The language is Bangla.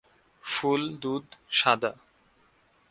ফুল দুধ-সাদা।